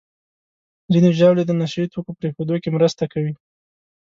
ځینې ژاولې د نشهیي توکو پرېښودو کې مرسته کوي.